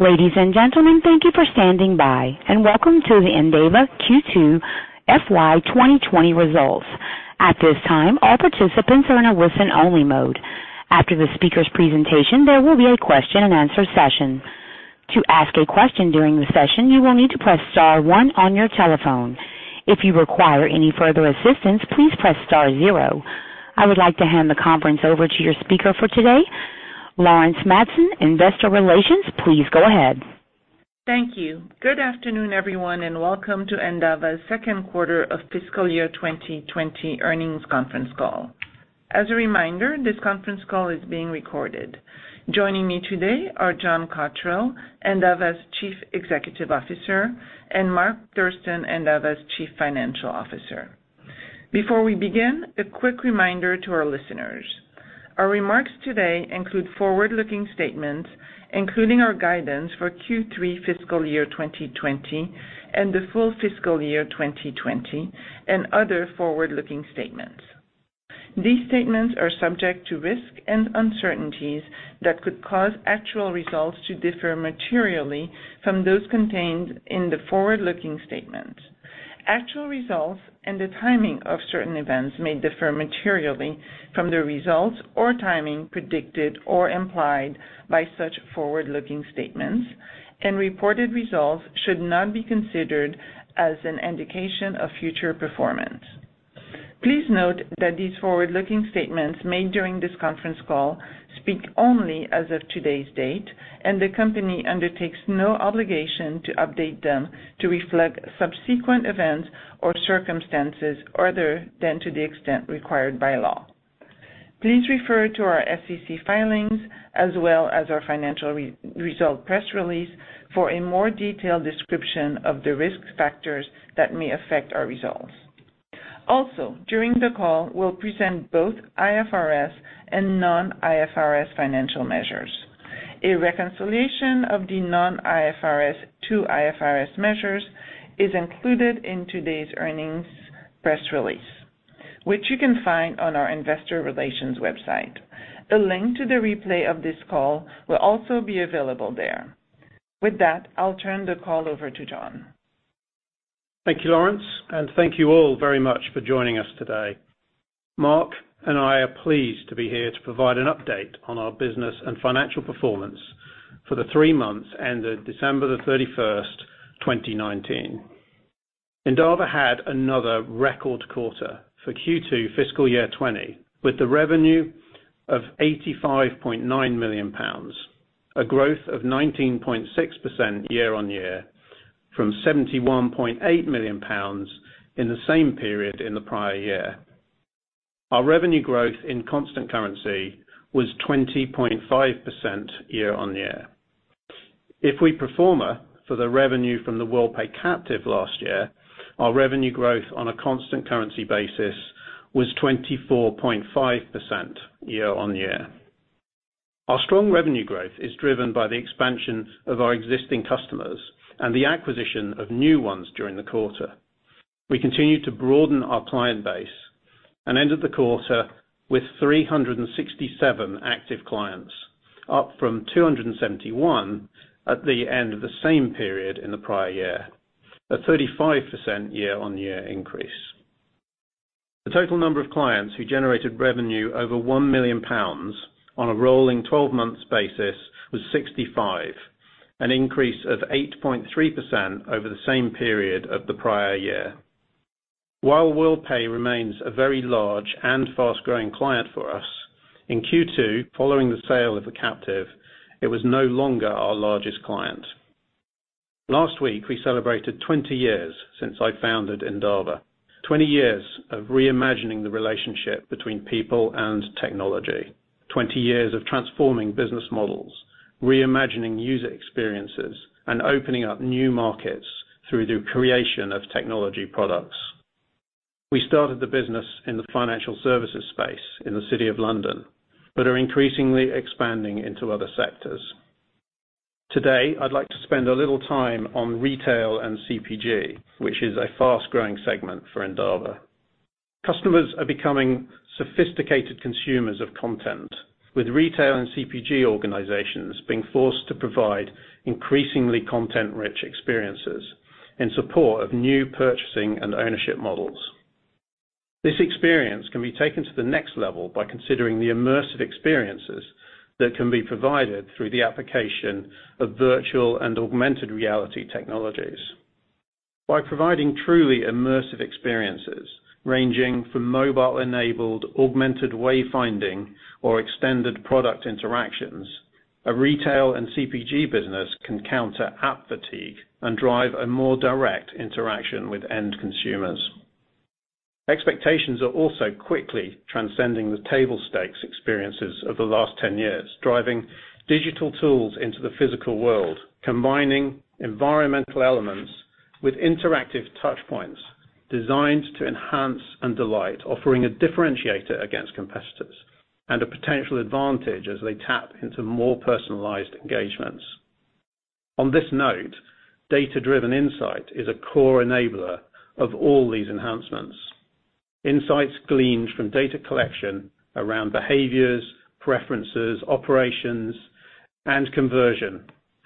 Ladies and gentlemen, thank you for standing by, and welcome to the Endava Q2 FY 2020 results. At this time, all participants are in a listen-only mode. After the speaker's presentation, there will be a question and answer session. To ask a question during the session, you will need to press star one on your telephone. If you require any further assistance, please press star zero. I would like to hand the conference over to your speaker for today, Laurence Madsen, investor relations. Please go ahead. Thank you. Good afternoon, everyone, and welcome to Endava's second quarter of fiscal year 2020 earnings conference call. As a reminder, this conference call is being recorded. Joining me today are John Cotterell, Endava's Chief Executive Officer, and Mark Thurston, Endava's Chief Financial Officer. Before we begin, a quick reminder to our listeners. Our remarks today include forward-looking statements, including our guidance for Q3 fiscal year 2020 and the full fiscal year 2020, and other forward-looking statements. These statements are subject to risks and uncertainties that could cause actual results to differ materially from those contained in the forward-looking statement. Actual results and the timing of certain events may differ materially from the results or timing predicted or implied by such forward-looking statements, and reported results should not be considered as an indication of future performance. Please note that these forward-looking statements made during this conference call speak only as of today's date, and the company undertakes no obligation to update them to reflect subsequent events or circumstances other than to the extent required by law. Please refer to our SEC filings as well as our financial result press release for a more detailed description of the risk factors that may affect our results. Also, during the call, we'll present both IFRS and non-IFRS financial measures. A reconciliation of the non-IFRS to IFRS measures is included in today's earnings press release, which you can find on our investor relations website. A link to the replay of this call will also be available there. With that, I'll turn the call over to John. Thank you, Laurence, thank you all very much for joining us today. Mark and I are pleased to be here to provide an update on our business and financial performance for the three months ended December 31st, 2019. Endava had another record quarter for Q2 fiscal year 2020, with the revenue of 85.9 million pounds, a growth of 19.6% year-over-year from 71.8 million pounds in the same period in the prior year. Our revenue growth in constant currency was 20.5% year-over-year. If we pro forma for the revenue from the Worldpay captive last year, our revenue growth on a constant currency basis was 24.5% year-over-year. Our strong revenue growth is driven by the expansion of our existing customers and the acquisition of new ones during the quarter. We continued to broaden our client base and ended the quarter with 367 active clients, up from 271 at the end of the same period in the prior year, a 35% year-on-year increase. The total number of clients who generated revenue over 1 million pounds on a rolling 12 months basis was 65, an increase of 8.3% over the same period of the prior year. While Worldpay remains a very large and fast-growing client for us, in Q2, following the sale of the captive, it was no longer our largest client. Last week, we celebrated 20 years since I founded Endava. 20 years of reimagining the relationship between people and technology. 20 years of transforming business models, reimagining user experiences, and opening up new markets through the creation of technology products. We started the business in the financial services space in the City of London, but are increasingly expanding into other sectors. Today, I'd like to spend a little time on retail and CPG, which is a fast-growing segment for Endava. Customers are becoming sophisticated consumers of content, with retail and CPG organizations being forced to provide increasingly content-rich experiences in support of new purchasing and ownership models. This experience can be taken to the next level by considering the immersive experiences that can be provided through the application of virtual and augmented reality technologies. By providing truly immersive experiences, ranging from mobile-enabled augmented wayfinding or extended product interactions, a retail and CPG business can counter app fatigue and drive a more direct interaction with end consumers. Expectations are also quickly transcending the table stakes experiences of the last 10 years, driving digital tools into the physical world, combining environmental elements with interactive touchpoints designed to enhance and delight, offering a differentiator against competitors, and a potential advantage as they tap into more personalized engagements. On this note, data-driven insight is a core enabler of all these enhancements. Insights gleaned from data collection around behaviors, preferences, operations, and conversion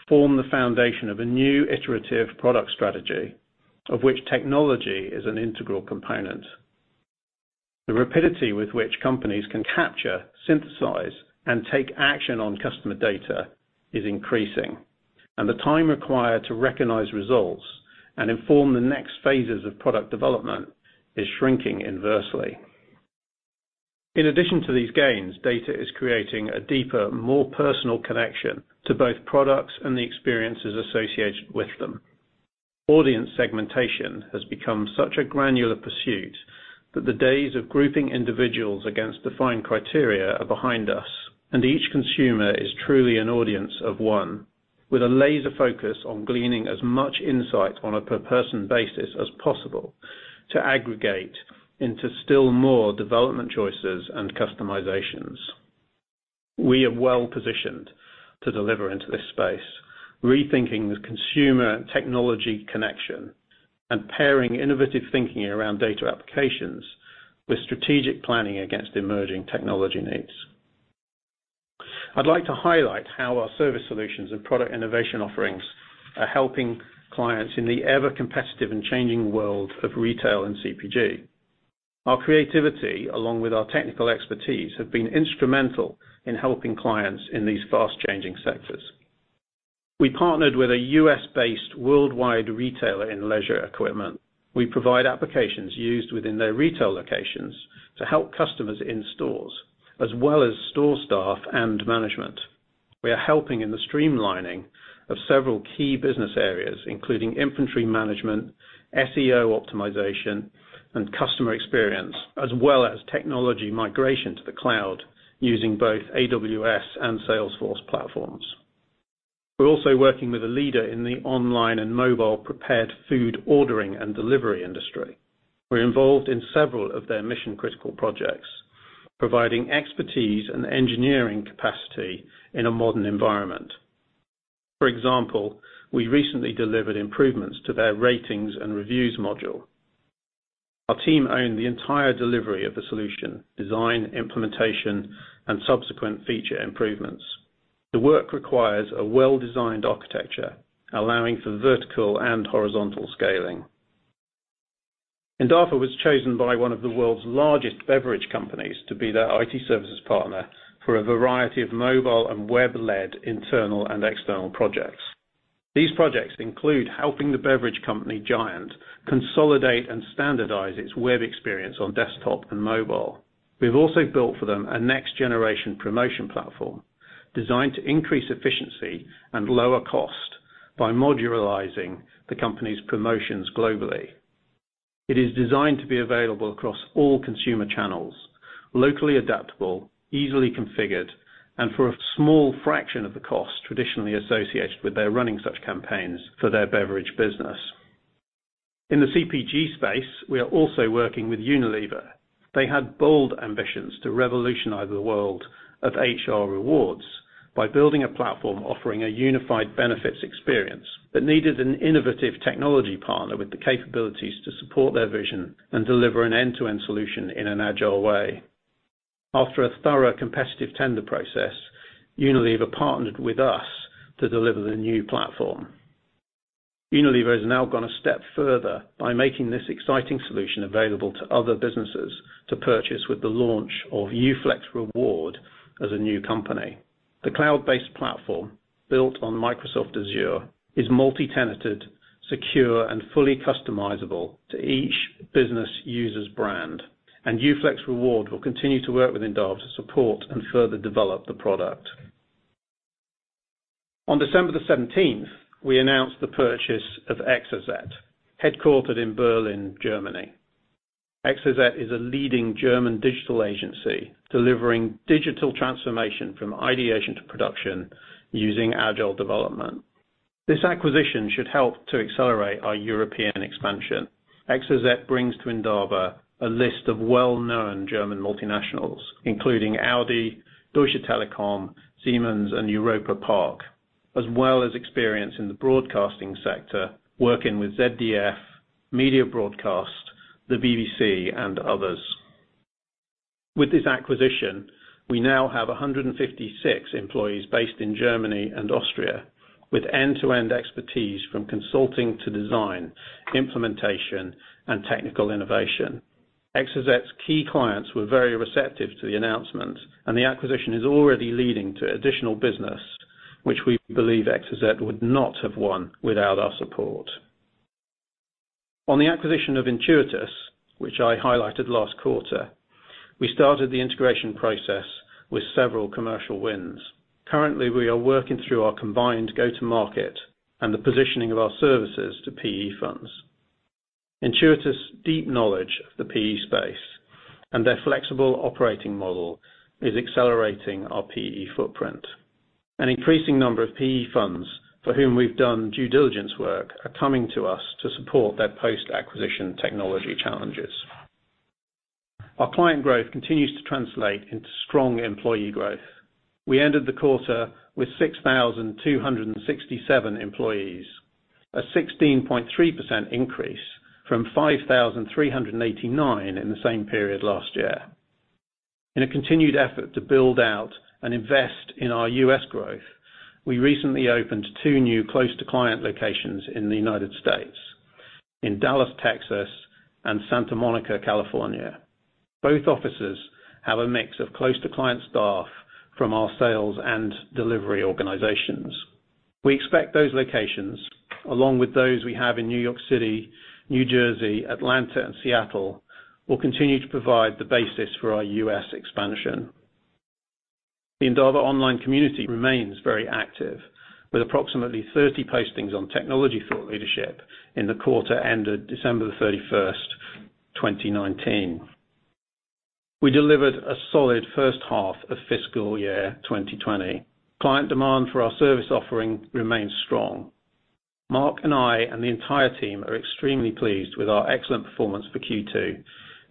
form the foundation of a new iterative product strategy, of which technology is an integral component. The rapidity with which companies can capture, synthesize, and take action on customer data is increasing, and the time required to recognize results and inform the next phases of product development is shrinking inversely. In addition to these gains, data is creating a deeper, more personal connection to both products and the experiences associated with them. Audience segmentation has become such a granular pursuit that the days of grouping individuals against defined criteria are behind us, and each consumer is truly an audience of one with a laser focus on gleaning as much insight on a per person basis as possible to aggregate into still more development choices and customizations. We are well-positioned to deliver into this space, rethinking the consumer technology connection and pairing innovative thinking around data applications with strategic planning against emerging technology needs. I'd like to highlight how our service solutions and product innovation offerings are helping clients in the ever competitive and changing world of retail and CPG. Our creativity, along with our technical expertise, have been instrumental in helping clients in these fast-changing sectors. We partnered with a U.S.-based worldwide retailer in leisure equipment. We provide applications used within their retail locations to help customers in stores, as well as store staff and management. We are helping in the streamlining of several key business areas, including inventory management, SEO optimization, and customer experience, as well as technology migration to the cloud using both AWS and Salesforce platforms. We're also working with a leader in the online and mobile prepared food ordering and delivery industry. We're involved in several of their mission-critical projects, providing expertise and engineering capacity in a modern environment. For example, we recently delivered improvements to their ratings and reviews module. Our team owned the entire delivery of the solution, design, implementation, and subsequent feature improvements. The work requires a well-designed architecture, allowing for vertical and horizontal scaling. Endava was chosen by one of the world's largest beverage companies to be their IT services partner for a variety of mobile and web-led internal and external projects. These projects include helping the beverage company giant consolidate and standardize its web experience on desktop and mobile. We've also built for them a next-generation promotion platform designed to increase efficiency and lower cost by modularizing the company's promotions globally. It is designed to be available across all consumer channels, locally adaptable, easily configured, and for a small fraction of the cost traditionally associated with their running such campaigns for their beverage business. In the CPG space, we are also working with Unilever. They had bold ambitions to revolutionize the world of HR rewards by building a platform offering a unified benefits experience that needed an innovative technology partner with the capabilities to support their vision and deliver an end-to-end solution in an agile way. After a thorough competitive tender process, Unilever partnered with us to deliver the new platform. Unilever has now gone a step further by making this exciting solution available to other businesses to purchase with the launch of uFlexReward as a new company. The cloud-based platform, built on Microsoft Azure, is multi-tenanted, secure, and fully customizable to each business user's brand, and uFlexReward will continue to work with Endava to support and further develop the product. On December 17th, we announced the purchase of Exozet, headquartered in Berlin, Germany. Exozet is a leading German digital agency delivering digital transformation from ideation to production using agile development. This acquisition should help to accelerate our European expansion. Exozet brings to Endava a list of well-known German multinationals, including Audi, Deutsche Telekom, Siemens, and Europa-Park, as well as experience in the broadcasting sector, working with ZDF, Media Broadcast, the BBC, and others. With this acquisition, we now have 156 employees based in Germany and Austria, with end-to-end expertise from consulting to design, implementation, and technical innovation. Exozet's key clients were very receptive to the announcement, and the acquisition is already leading to additional business, which we believe Exozet would not have won without our support. On the acquisition of Intuitus, which I highlighted last quarter, we started the integration process with several commercial wins. Currently, we are working through our combined go-to-market and the positioning of our services to PE funds. Intuitus' deep knowledge of the PE space and their flexible operating model is accelerating our PE footprint. An increasing number of PE funds for whom we've done due diligence work are coming to us to support their post-acquisition technology challenges. Our client growth continues to translate into strong employee growth. We ended the quarter with 6,267 employees. A 16.3% increase from 5,389 in the same period last year. In a continued effort to build out and invest in our U.S. growth, we recently opened two new close-to-client locations in the United States in Dallas, Texas, and Santa Monica, California. Both offices have a mix of close-to-client staff from our sales and delivery organizations. We expect those locations, along with those we have in New York City, New Jersey, Atlanta, and Seattle, will continue to provide the basis for our U.S. expansion. The Endava online community remains very active, with approximately 30 postings on technology thought leadership in the quarter ended December 31st, 2019. We delivered a solid first half of fiscal year 2020. Client demand for our service offering remains strong. Mark and I, and the entire team are extremely pleased with our excellent performance for Q2,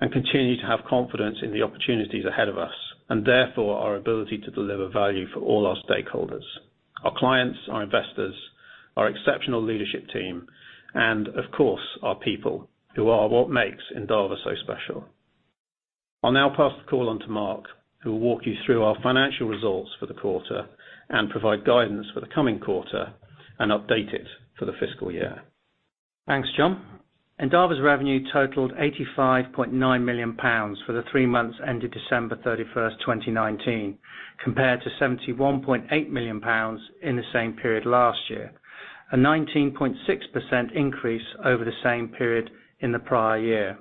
and continue to have confidence in the opportunities ahead of us, and therefore our ability to deliver value for all our stakeholders, our clients, our investors, our exceptional leadership team, and of course, our people, who are what makes Endava so special. I'll now pass the call on to Mark, who will walk you through our financial results for the quarter and provide guidance for the coming quarter, and update it for the fiscal year. Thanks, John. Endava's revenue totaled 85.9 million pounds for the three months ended December 31st, 2019, compared to 71.8 million pounds in the same period last year, a 19.6% increase over the same period in the prior year.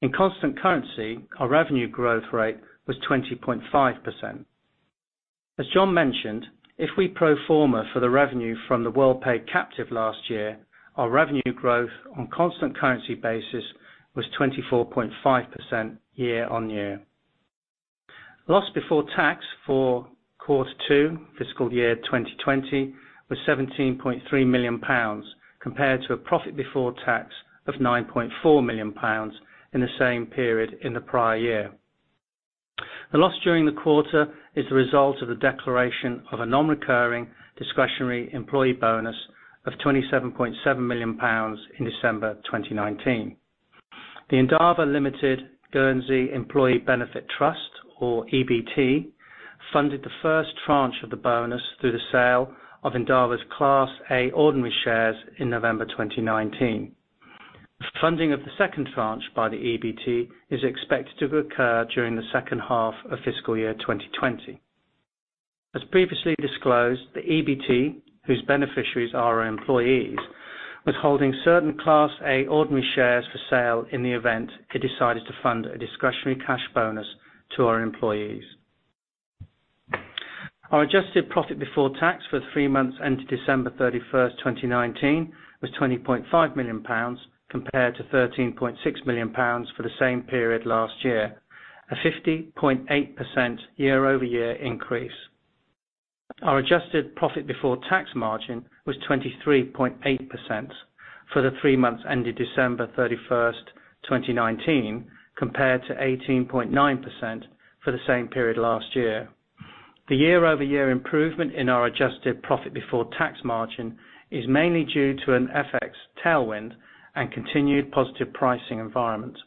In constant currency, our revenue growth rate was 20.5%. As John mentioned, if we pro forma for the revenue from the Worldpay captive last year, our revenue growth on constant currency basis was 24.5% year-on-year. Loss before tax for quarter two fiscal year 2020 was 17.3 million pounds, compared to a profit before tax of 9.4 million pounds in the same period in the prior year. The loss during the quarter is the result of the declaration of a non-recurring discretionary employee bonus of 27.7 million pounds in December 2019. The Endava Limited Guernsey Employee Benefit Trust, or EBT, funded the first tranche of the bonus through the sale of Endava's Class A ordinary shares in November 2019. Funding of the second tranche by the EBT is expected to occur during the second half of fiscal year 2020. As previously disclosed, the EBT, whose beneficiaries are our employees, was holding certain Class A ordinary shares for sale in the event it decided to fund a discretionary cash bonus to our employees. Our Adjusted Profit Before Tax for the three months ended December 31st, 2019 was 20.5 million pounds, compared to 13.6 million pounds for the same period last year, a 50.8% year-over-year increase. Our Adjusted Profit Before Tax margin was 23.8% for the three months ended December 31st, 2019, compared to 18.9% for the same period last year. The year-over-year improvement in our Adjusted Profit Before Tax margin is mainly due to an FX tailwind and continued positive pricing environment.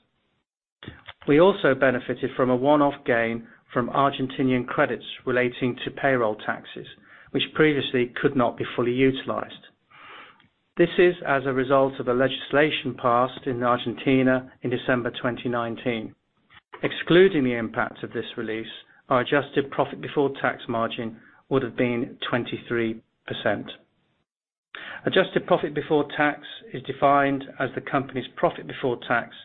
We also benefited from a one-off gain from Argentinian credits relating to payroll taxes, which previously could not be fully utilized. This is as a result of a legislation passed in Argentina in December 2019. Excluding the impact of this release, our Adjusted Profit Before Tax margin would have been 23%. Adjusted Profit Before Tax is defined as the company's profit before tax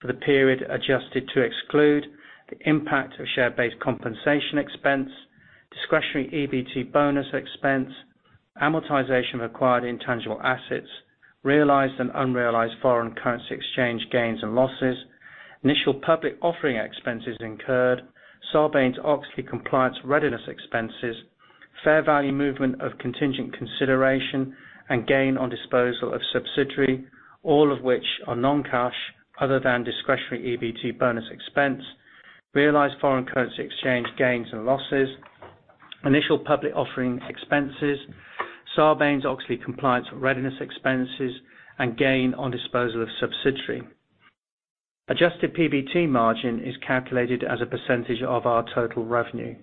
for the period, adjusted to exclude the impact of share-based compensation expense, discretionary EBT bonus expense, amortization of acquired intangible assets, realized and unrealized foreign currency exchange gains and losses, initial public offering expenses incurred, Sarbanes-Oxley compliance readiness expenses, fair value movement of contingent consideration, and gain on disposal of subsidiary, all of which are non-cash other than discretionary EBT bonus expense, realized foreign currency exchange gains and losses, initial public offering expenses, Sarbanes-Oxley compliance readiness expenses, and gain on disposal of subsidiary. Adjusted PBT margin is calculated as a percentage of our total revenue.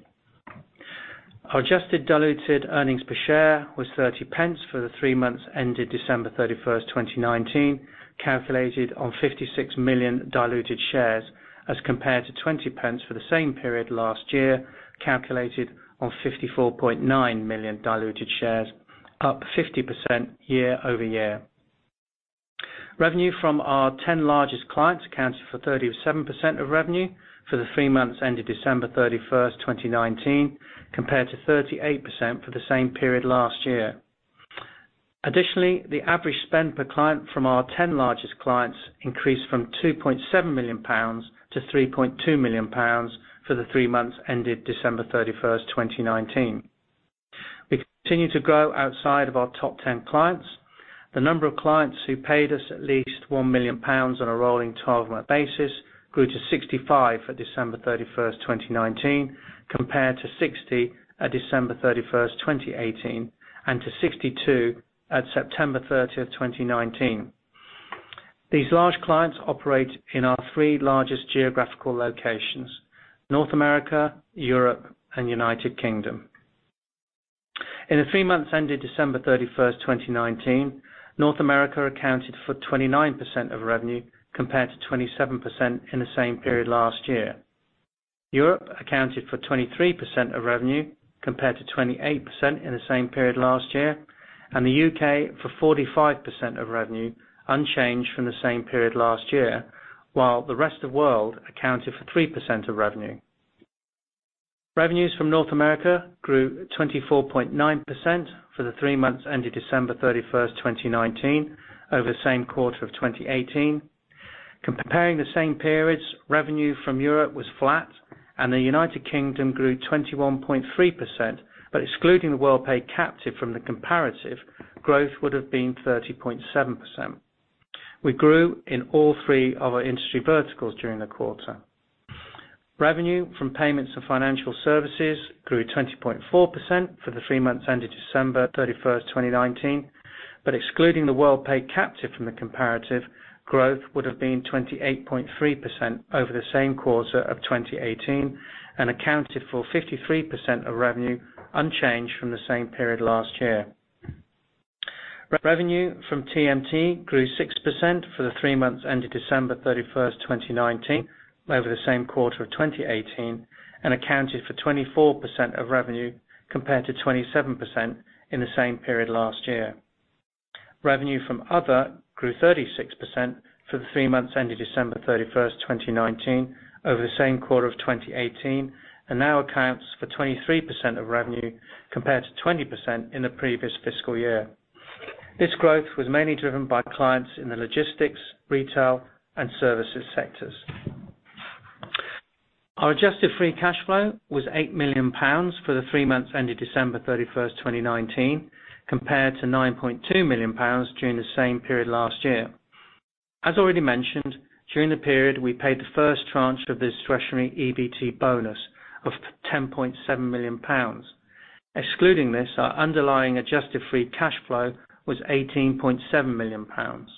Our adjusted diluted earnings per share was 0.30 for the three months ended December 31st, 2019, calculated on 56 million diluted shares as compared to 0.20 for the same period last year, calculated on 54.9 million diluted shares, up 50% year-over-year. Revenue from our 10 largest clients accounted for 37% of revenue for the three months ended December 31st, 2019, compared to 38% for the same period last year. Additionally, the average spend per client from our 10 largest clients increased from 2.7 million pounds to 3.2 million pounds for the three months ended December 31st, 2019. We continue to grow outside of our top 10 clients. The number of clients who paid us at least 1 million pounds on a rolling 12-month basis grew to 65 at December 31st, 2019, compared to 60 at December 31st, 2018, and to 62 at September 30th, 2019. These large clients operate in our three largest geographical locations, North America, Europe, and United Kingdom. In the three months ended December 31st, 2019, North America accounted for 29% of revenue, compared to 27% in the same period last year. Europe accounted for 23% of revenue, compared to 28% in the same period last year, and the U.K. for 45% of revenue, unchanged from the same period last year, while the rest of world accounted for 3% of revenue. Revenues from North America grew 24.9% for the three months ended December 31st, 2019 over the same quarter of 2018. Comparing the same periods, revenue from Europe was flat and the United Kingdom grew 21.3%, but excluding the Worldpay captive from the comparative, growth would have been 30.7%. We grew in all three of our industry verticals during the quarter. Revenue from payments to financial services grew 20.4% for the three months ended December 31st, 2019, but excluding the Worldpay captive from the comparative, growth would have been 28.3% over the same quarter of 2018 and accounted for 53% of revenue, unchanged from the same period last year. Revenue from TMT grew 6% for the three months ended December 31st, 2019 over the same quarter of 2018, and accounted for 24% of revenue, compared to 27% in the same period last year. Revenue from other grew 36% for the three months ended December 31st, 2019 over the same quarter of 2018, and now accounts for 23% of revenue, compared to 20% in the previous fiscal year. This growth was mainly driven by clients in the logistics, retail, and services sectors. Our adjusted free cash flow was 8 million pounds for the three months ended December 31st, 2019, compared to 9.2 million pounds during the same period last year. As already mentioned, during the period, we paid the first tranche of the discretionary EBT bonus of 10.7 million pounds. Excluding this, our underlying adjusted free cash flow was 18.7 million pounds.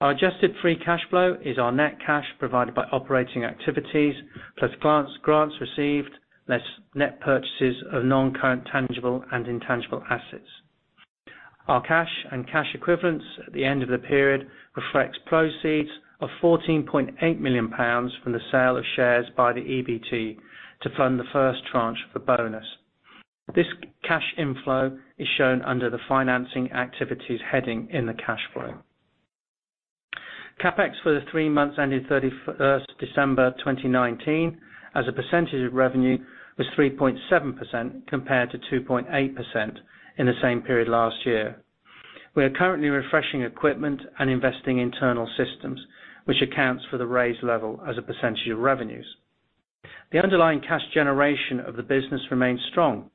Our adjusted free cash flow is our net cash provided by operating activities, plus grants received, less net purchases of non-current tangible and intangible assets. Our cash and cash equivalents at the end of the period reflects proceeds of 14.8 million pounds from the sale of shares by the EBT to fund the first tranche for bonus. This cash inflow is shown under the financing activities heading in the cash flow. CapEx for the three months ended 31st December 2019, as a percentage of revenue, was 3.7% compared to 2.8% in the same period last year. We are currently refreshing equipment and investing internal systems, which accounts for the raise level as a percentage of revenues. The underlying cash generation of the business remains strong.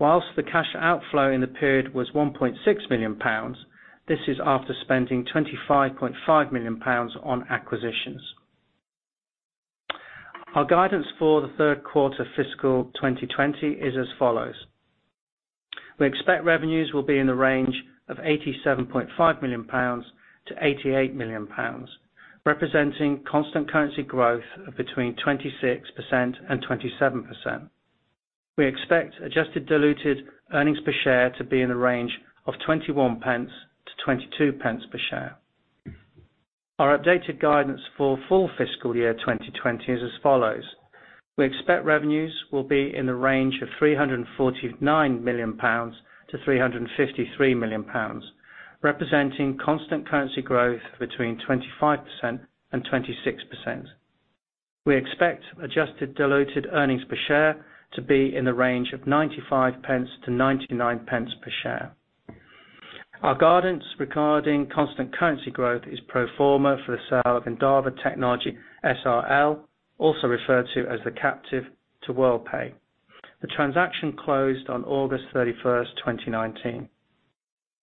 Whilst the cash outflow in the period was £1.6 million, this is after spending £25.5 million on acquisitions. Our guidance for the third quarter FY 2020 is as follows. We expect revenues will be in the range of 87.5 million-88 million pounds, representing constant currency growth of between 26% and 27%. We expect adjusted diluted earnings per share to be in the range of 0.21-0.22 per share. Our updated guidance for full FY 2020 is as follows. We expect revenues will be in the range of 349 million-353 million pounds, representing constant currency growth between 25% and 26%. We expect adjusted diluted earnings per share to be in the range of 0.95-0.99 per share. Our guidance regarding constant currency growth is pro forma for the sale of Endava Technology SRL, also referred to as the captive, to Worldpay. The transaction closed on August 31st, 2019.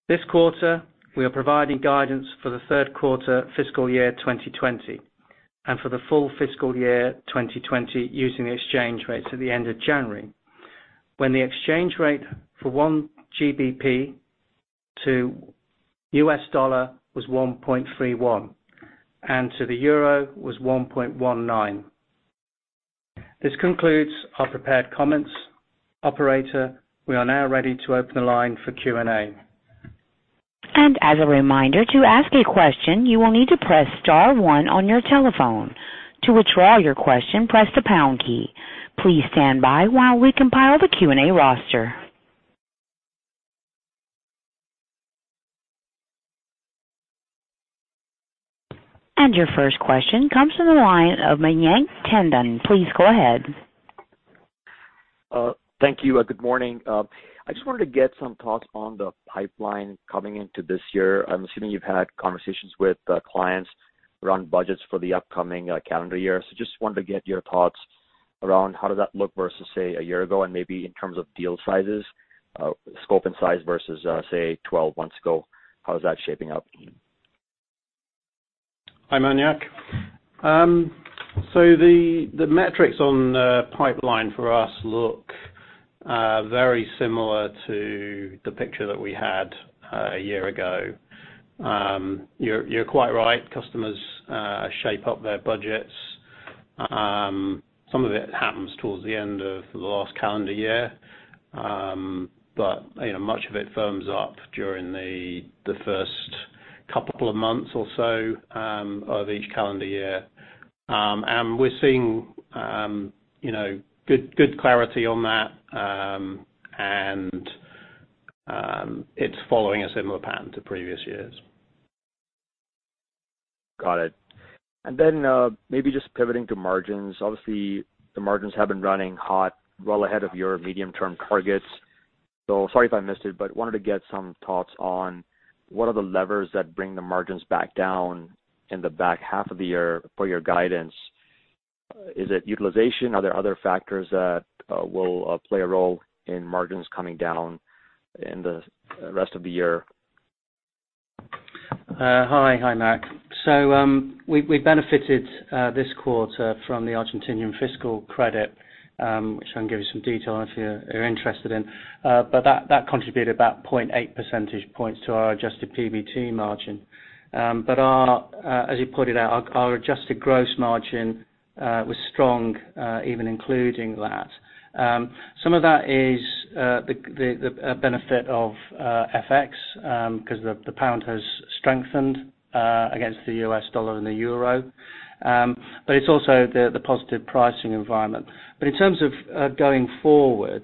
This quarter, we are providing guidance for the third quarter fiscal year 2020 and for the full fiscal year 2020 using the exchange rates at the end of January, when the exchange rate for one GBP to U.S. dollar was $1.31 and to the euro was 1.19. This concludes our prepared comments. Operator, we are now ready to open the line for Q&A. As a reminder, to ask a question, you will need to press star one on your telephone. To withdraw your question, press the pound key. Please stand by while we compile the Q&A roster. Your first question comes from the line of Mayank Tandon. Please go ahead. Thank you. Good morning. I just wanted to get some thoughts on the pipeline coming into this year. I'm assuming you've had conversations with clients around budgets for the upcoming calendar year. Just wanted to get your thoughts around how did that look versus, say, a year ago, and maybe in terms of deal sizes, scope and size versus, say, 12 months ago. How is that shaping up? Hi, Mayank. The metrics on the pipeline for us look very similar to the picture that we had a year ago. You're quite right. Customers shape up their budgets. Some of it happens towards the end of the last calendar year. Much of it firms up during the first couple of months or so of each calendar year. We're seeing good clarity on that, and it's following a similar pattern to previous years. Got it. Maybe just pivoting to margins. Obviously, the margins have been running hot, well ahead of your medium-term targets. Sorry if I missed it, but wanted to get some thoughts on what are the levers that bring the margins back down in the back half of the year for your guidance. Is it utilization? Are there other factors that will play a role in margins coming down in the rest of the year? Hi, Mark. We benefited this quarter from the Argentinian fiscal credit, which I can give you some detail on if you're interested in. That contributed about 0.8 percentage points to our Adjusted PBT margin. As you pointed out, our adjusted gross margin was strong even including that. Some of that is the benefit of FX, because the pound has strengthened against the U.S. dollar and the EUR. It's also the positive pricing environment. In terms of going forward,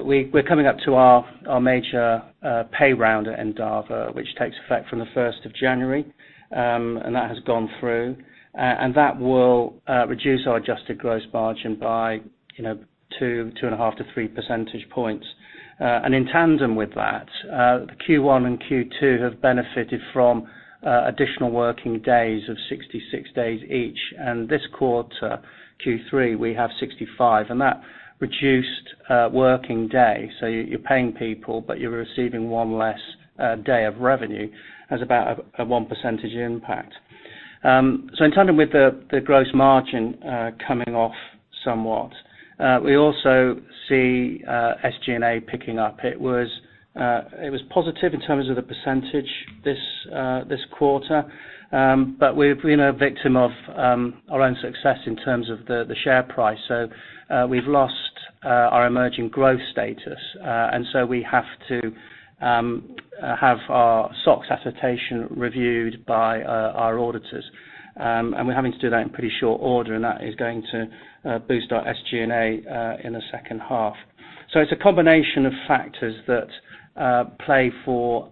we're coming up to our major pay round at Endava, which takes effect from the January 1st, and that has gone through. That will reduce our adjusted gross margin by two and a half to three percentage points. In tandem with that, the Q1 and Q2 have benefited from additional working days of 66 days each. This quarter, Q3, we have 65. That reduced working day, so you're paying people, but you're receiving one less day of revenue, has about a 1% impact. In tandem with the gross margin coming off somewhat, we also see SG&A picking up. It was positive in terms of the percentage this quarter. We're a victim of our own success in terms of the share price. We've lost our emerging growth status. We have to have our SOX attestation reviewed by our auditors. We're having to do that in pretty short order, and that is going to boost our SG&A in the second half. It's a combination of factors that play for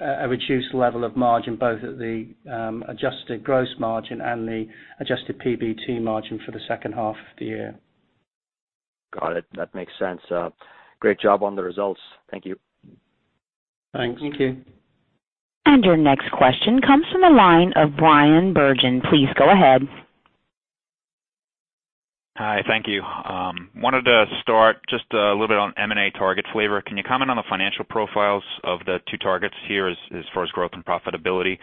a reduced level of margin, both at the adjusted gross margin and the Adjusted PBT margin for the second half of the year. Got it. That makes sense. Great job on the results. Thank you. Thanks. Thank you. Your next question comes from the line of Bryan Bergin. Please go ahead. Hi, thank you. Wanted to start just a little bit on M&A target flavor. Can you comment on the financial profiles of the two targets here as far as growth and profitability?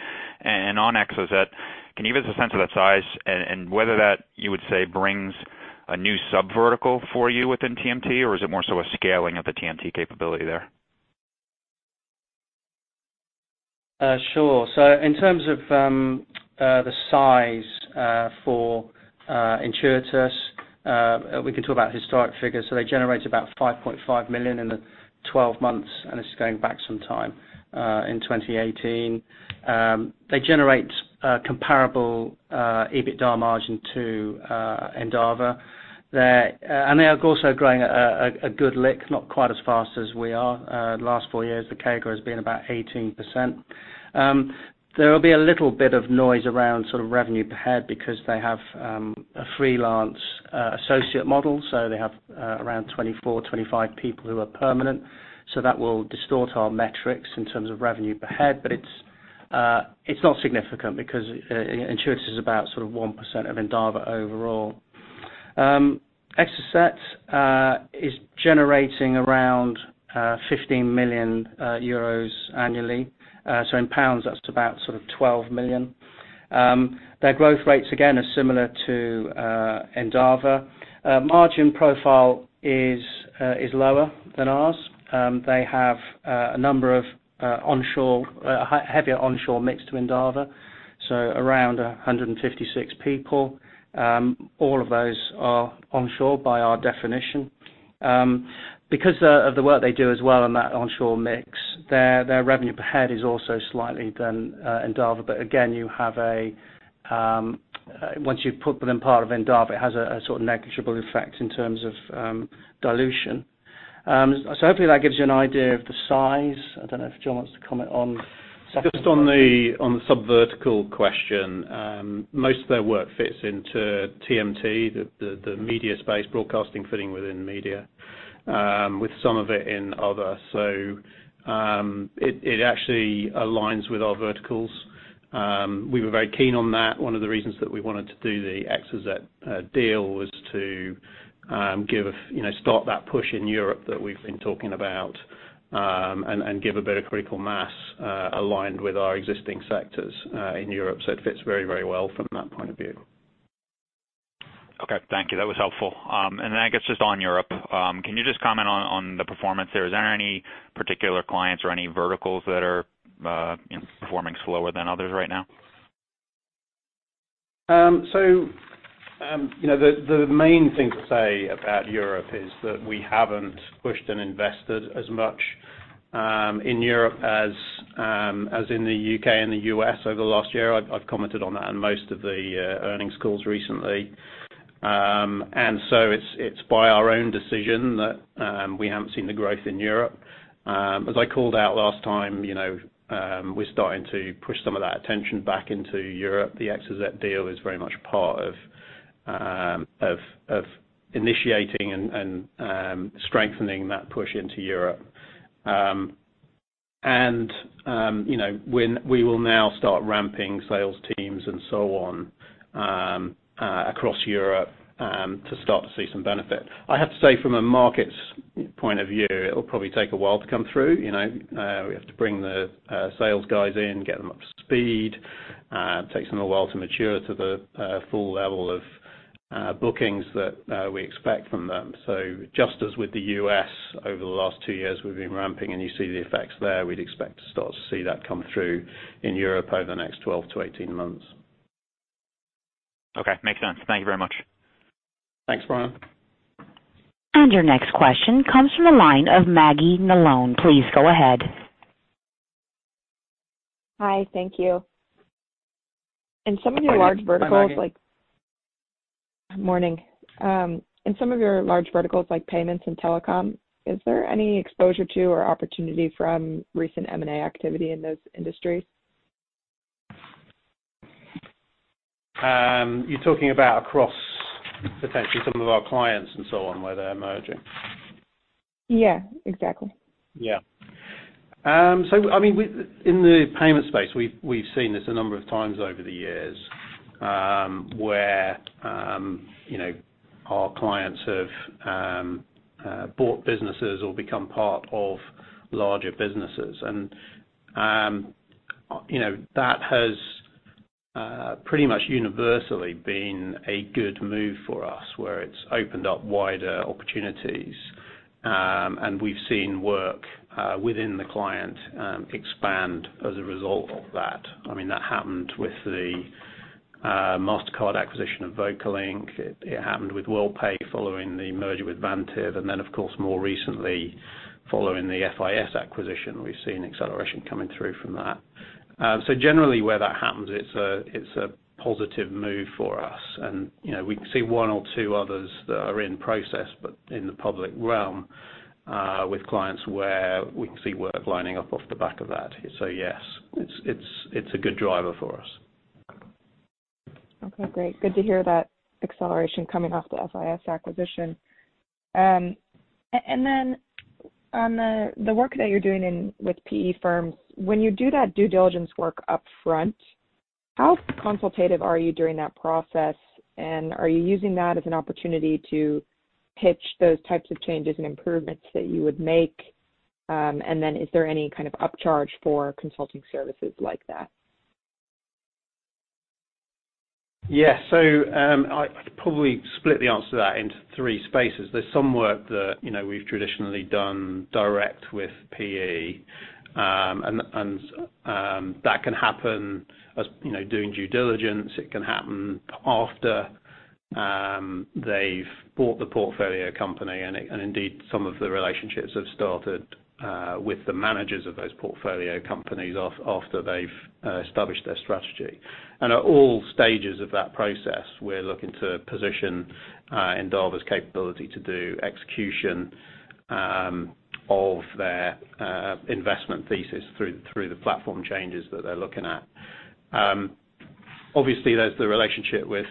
On Exozet, can you give us a sense of that size and whether that, you would say, brings a new sub-vertical for you within TMT, or is it more so a scaling of the TMT capability there? Sure. In terms of the size for Insuritas, we can talk about historic figures. They generate about 5.5 million in the 12 months, and this is going back some time, in 2018. They generate comparable EBITDA margin to Endava. They are also growing a good lick, not quite as fast as we are. Last four years, the CAGR has been about 18%. There will be a little bit of noise around sort of revenue per head because they have a freelance associate model. They have around 24, 25 people who are permanent. That will distort our metrics in terms of revenue per head. It's not significant because Insuritas is about sort of 1% of Endava overall. Exozet is generating around 15 million euros annually. In pounds, that's about sort of 12 million. Their growth rates, again, are similar to Endava. Margin profile is lower than ours. They have a heavier onshore mix to Endava, so around 156 people. All of those are onshore by our definition. Because of the work they do as well on that onshore mix, their revenue per head is also slightly than Endava. Again, once you put them part of Endava, it has a sort of negligible effect in terms of dilution. Hopefully that gives you an idea of the size. I don't know if John wants to comment on Just on the sub-vertical question, most of their work fits into TMT, the media space, broadcasting fitting within media, with some of it in other. It actually aligns with our verticals. We were very keen on that. One of the reasons that we wanted to do the Exozet deal was to start that push in Europe that we've been talking about, and give a bit of critical mass aligned with our existing sectors in Europe. It fits very well from that point of view. Okay. Thank you. That was helpful. I guess just on Europe, can you just comment on the performance there? Is there any particular clients or any verticals that are performing slower than others right now? The main thing to say about Europe is that we haven't pushed and invested as much in Europe as in the U.K. and the U.S. over the last year. I've commented on that in most of the earnings calls recently. It's by our own decision that we haven't seen the growth in Europe. As I called out last time, we're starting to push some of that attention back into Europe. The Exozet deal is very much part of initiating and strengthening that push into Europe. We will now start ramping sales teams and so on across Europe to start to see some benefit. I have to say from a markets point of view, it'll probably take a while to come through. We have to bring the sales guys in, get them up to speed. It takes them a while to mature to the full level of bookings that we expect from them. Just as with the U.S. over the last two years, we've been ramping, and you see the effects there. We'd expect to start to see that come through in Europe over the next 12-18 months. Okay. Makes sense. Thank You very much. Thanks, Brian. Your next question comes from the line of Maggie Nolan. Please go ahead. Hi. Thank you. In some of your large verticals like- Hi, Maggie. Morning. In some of your large verticals like payments and telecom, is there any exposure to or opportunity from recent M&A activity in those industries? You're talking about across potentially some of our clients and so on, where they're merging? Yeah, exactly. In the payment space, we've seen this a number of times over the years, where our clients have bought businesses or become part of larger businesses. That has pretty much universally been a good move for us, where it's opened up wider opportunities. We've seen work within the client expand as a result of that. That happened with the Mastercard acquisition of VocaLink. It happened with Worldpay following the merger with Vantiv. Of course, more recently, following the FIS acquisition, we've seen acceleration coming through from that. Generally, where that happens, it's a positive move for us. We can see one or two others that are in process, but in the public realm, with clients where we can see work lining up off the back of that. Yes, it's a good driver for us. Okay, great. Good to hear that acceleration coming off the FIS acquisition. On the work that you're doing in with PE firms, when you do that due diligence work upfront, how consultative are you during that process? Are you using that as an opportunity to pitch those types of changes and improvements that you would make? Is there any kind of upcharge for consulting services like that? I'd probably split the answer to that into three spaces. There's some work that we've traditionally done direct with PE, and that can happen as doing due diligence. It can happen after they've bought the portfolio company, and indeed, some of the relationships have started with the managers of those portfolio companies after they've established their strategy. At all stages of that process, we're looking to position Endava's capability to do execution of their investment thesis through the platform changes that they're looking at. Obviously, there's the relationship with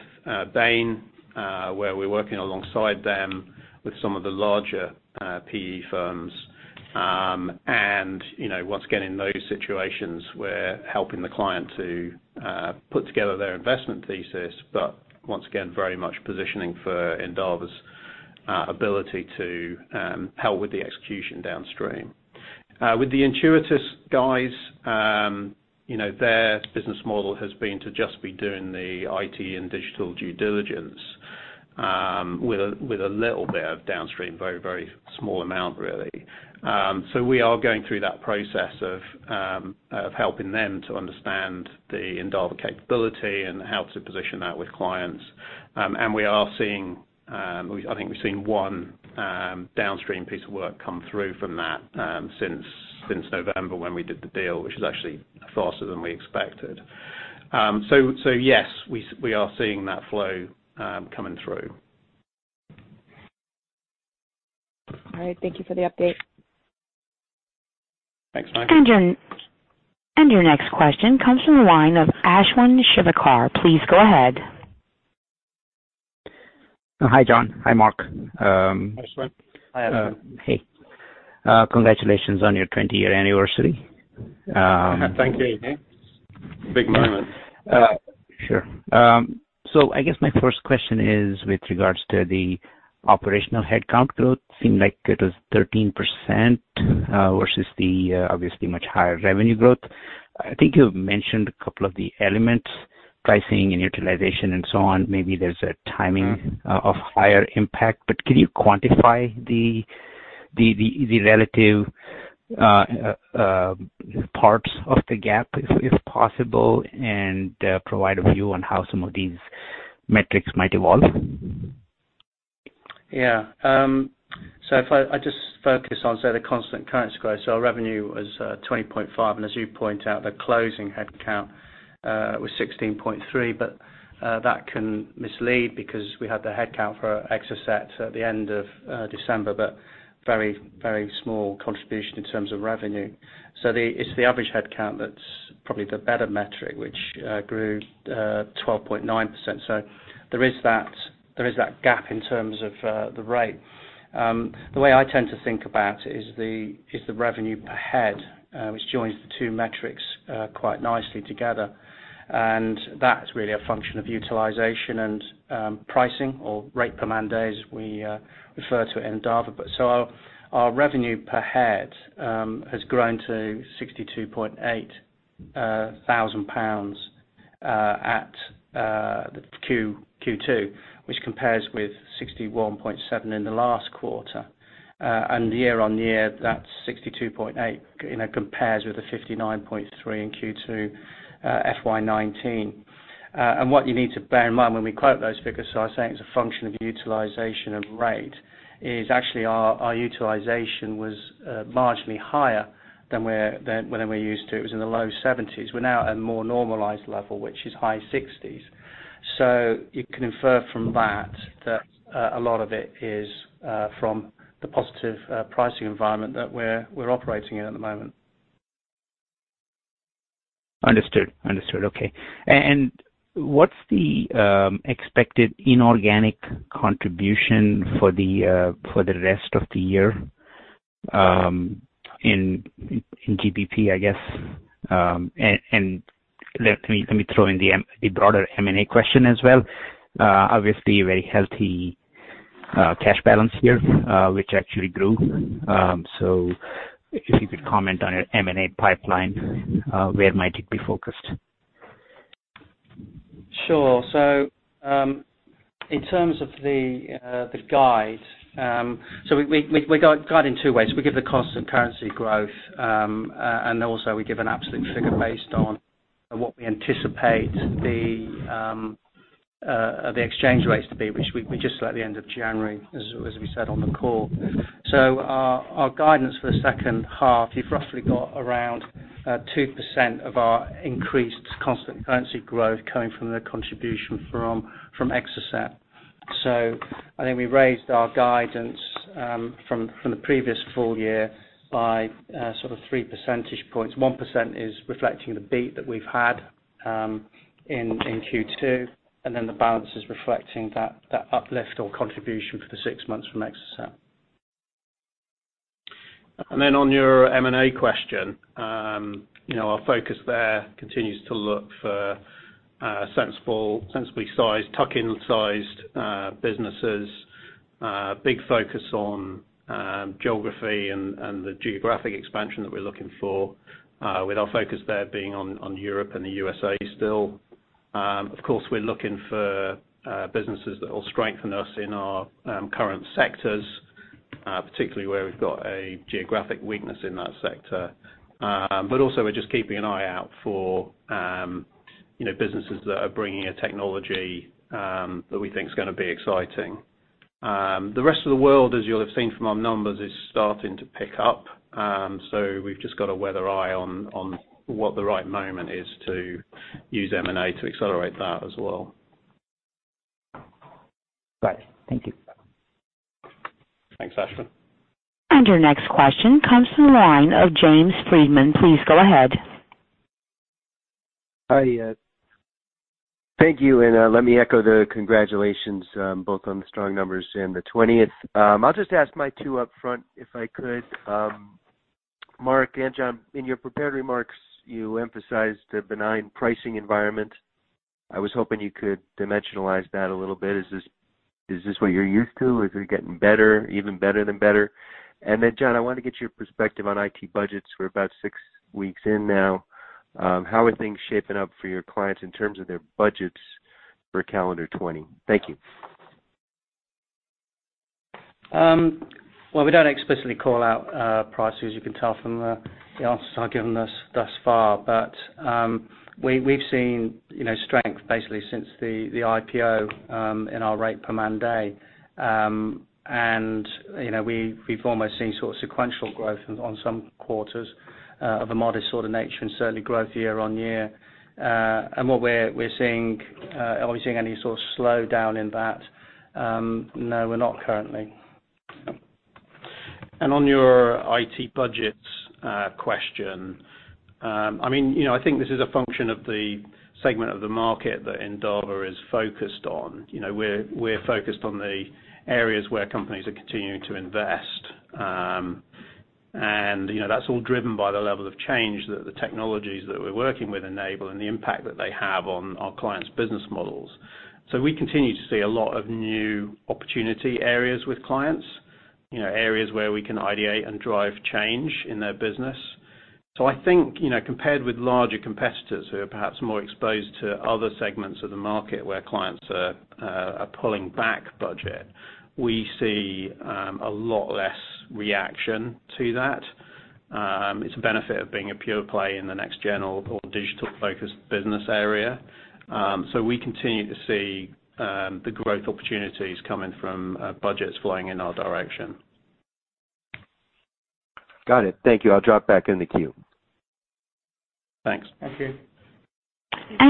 Bain, where we're working alongside them with some of the larger PE firms. Once again, in those situations, we're helping the client to put together their investment thesis, but once again, very much positioning for Endava's ability to help with the execution downstream. With the Intuitus guys, their business model has been to just be doing the IT and digital due diligence, with a little bit of downstream, very small amount, really. We are going through that process of helping them to understand the Endava capability and how to position that with clients. I think we've seen one downstream piece of work come through from that since November when we did the deal, which is actually faster than we expected. Yes, we are seeing that flow coming through. All right. Thank you for the update. Thanks, Maggie. Your next question comes from the line of Ashwin Shirvaikar. Please go ahead. Hi, John. Hi, Mark. Hi, Ashwin. Hi, Ashwin. Hey. Congratulations on your 20-year anniversary. Thank you, indeed. Big moment. Sure. I guess my first question is with regards to the operational headcount growth. Seemed like it was 13% versus the obviously much higher revenue growth. I think you've mentioned a couple of the elements, pricing and utilization and so on. Maybe there's a timing of higher impact, but can you quantify the relative parts of the gap, if possible, and provide a view on how some of these metrics might evolve? Yeah. If I just focus on, say, the constant currency growth. Our revenue was 20.5, and as you point out, the closing head count was 16.3. That can mislead because we had the head count for Exozet at the end of December, but very small contribution in terms of revenue. It's the average head count that's probably the better metric, which grew 12.9%. There is that gap in terms of the rate. The way I tend to think about it is the revenue per head, which joins the two metrics quite nicely together. That's really a function of utilization and pricing or rate per man day, as we refer to it in Endava. Our revenue per head has grown to 62,800 pounds at Q2, which compares with 61.7 in the last quarter. Year on year, that 62.8 compares with a 59.3 in Q2 FY 2019. What you need to bear in mind when we quote those figures, so I was saying it's a function of utilization and rate, is actually our utilization was marginally higher than we're used to. It was in the low 70s. We're now at a more normalized level, which is high 60s. You can infer from that a lot of it is from the positive pricing environment that we're operating in at the moment. Understood. Okay. What's the expected inorganic contribution for the rest of the year, in GBP, I guess? Let me throw in the broader M&A question as well. Obviously a very healthy cash balance here, which actually grew. If you could comment on your M&A pipeline, where might it be focused? Sure. In terms of the guide, we guide in two ways. We give the cost and currency growth, and also we give an absolute figure based on what we anticipate the exchange rates to be, which we just set at the end of January, as we said on the call. Our guidance for the second half, you've roughly got around 2% of our increased constant currency growth coming from the contribution from Exozet. I think we raised our guidance from the previous full year by three percentage points. 1% is reflecting the beat that we've had in Q2, and then the balance is reflecting that uplift or contribution for the six months from Exozet. Then on your M&A question, our focus there continues to look for sensibly sized, tuck-in sized businesses. Big focus on geography and the geographic expansion that we're looking for with our focus there being on Europe and the U.S.A. still. Of course, we're looking for businesses that will strengthen us in our current sectors, particularly where we've got a geographic weakness in that sector. Also, we're just keeping an eye out for businesses that are bringing a technology that we think is going to be exciting. The rest of the world, as you'll have seen from our numbers, is starting to pick up. We've just got to weather eye on what the right moment is to use M&A to accelerate that as well. Right. Thank you. Thanks, Ashwin. Your next question comes from the line of James Friedman. Please go ahead. Thank you, and let me echo the congratulations both on the strong numbers and the 20th. I'll just ask my two upfront if I could. Mark and John, in your prepared remarks, you emphasized a benign pricing environment. I was hoping you could dimensionalize that a little bit. Is this what you're used to? Is it getting better, even better than better? John, I wanted to get your perspective on IT budgets. We're about six weeks in now. How are things shaping up for your clients in terms of their budgets for calendar 2020? Thank you. Well, we don't explicitly call out prices, you can tell from the answers I've given thus far. We've seen strength basically since the IPO in our rate per man day. We've almost seen sequential growth on some quarters of a modest nature and certainly growth year-over-year. Are we seeing any sort of slowdown in that? No, we're not currently. On your IT budgets question, I think this is a function of the segment of the market that Endava is focused on. We're focused on the areas where companies are continuing to invest. That's all driven by the level of change that the technologies that we're working with enable and the impact that they have on our clients' business models. We continue to see a lot of new opportunity areas with clients. areas where we can ideate and drive change in their business. I think, compared with larger competitors who are perhaps more exposed to other segments of the market where clients are pulling back budget, we see a lot less reaction to that. It's a benefit of being a pure play in the next gen or digital-focused business area. We continue to see the growth opportunities coming from budgets flowing in our direction. Got it. Thank you. I'll drop back in the queue. Thanks. Thank you.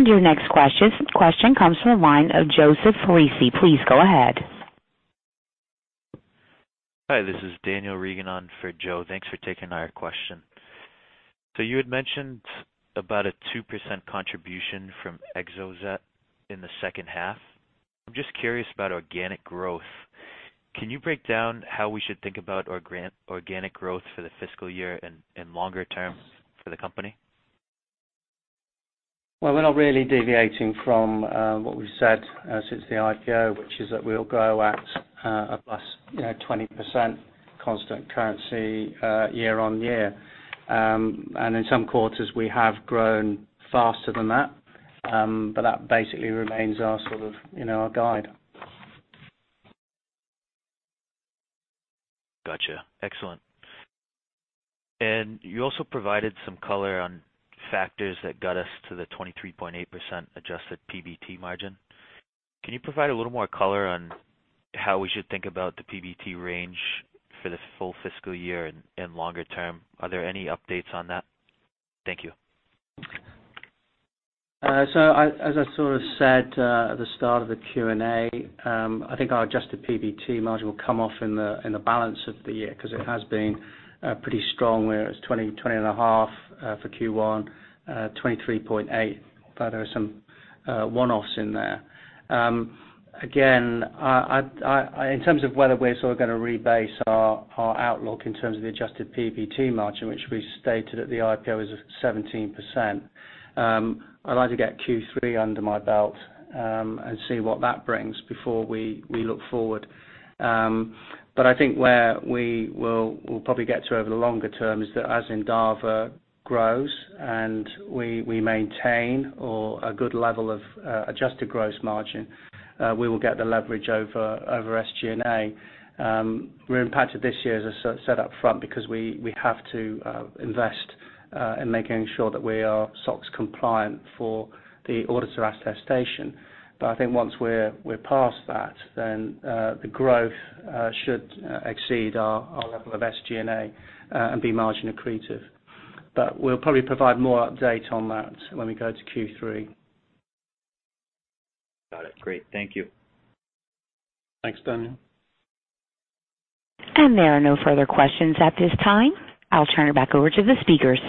Your next question comes from the line of Joseph Foresi. Please go ahead. Hi, this is Daniel Regan on for Joe. Thanks for taking our question. You had mentioned about a 2% contribution from Exozet in the second half. I'm just curious about organic growth. Can you break down how we should think about organic growth for the fiscal year and longer term for the company? Well, we're not really deviating from what we've said since the IPO, which is that we'll grow at a plus 20% constant currency year-on-year. In some quarters, we have grown faster than that. That basically remains our sort of guide. Got you. Excellent. You also provided some color on factors that got us to the 23.8% Adjusted PBT margin. Can you provide a little more color on how we should think about the PBT range for the full fiscal year and longer term? Are there any updates on that? Thank you. As I sort of said at the start of the Q&A, I think our adjusted PBT margin will come off in the balance of the year because it has been pretty strong, where it's 20 and a half for Q1, 23.8, but there are some one-offs in there. Again, in terms of whether we're sort of going to rebase our outlook in terms of the adjusted PBT margin, which we stated at the IPO is 17%. I'd like to get Q3 under my belt, and see what that brings before we look forward. I think where we'll probably get to over the longer term is that as Endava grows and we maintain or a good level of adjusted gross margin, we will get the leverage over SG&A. We're impacted this year as I set up front because we have to invest in making sure that we are SOX compliant for the auditor attestation. I think once we're past that, then the growth should exceed our level of SG&A, and be margin accretive. We'll probably provide more update on that when we go to Q3. Got it. Great. Thank you. Thanks, Daniel. There are no further questions at this time. I'll turn it back over to the speakers.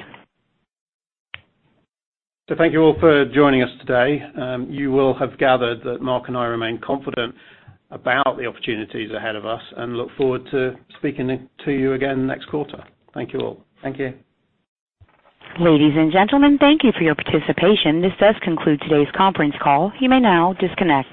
Thank you all for joining us today. You will have gathered that Mark and I remain confident about the opportunities ahead of us and look forward to speaking to you again next quarter. Thank you all. Thank you. Ladies and gentlemen, thank you for your participation. This does conclude today's conference call. You may now disconnect.